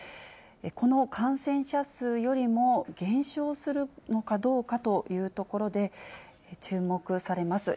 この感染者数よりも減少するのかどうかというところで、注目されます。